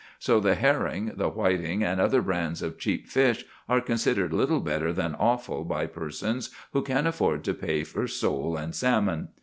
So the herring, the whiting, and other kinds of cheap fish are considered little better than offal by persons who can afford to pay for sole and salmon.